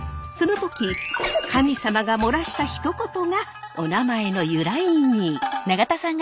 その時神様が漏らしたひと言がおなまえの由来に！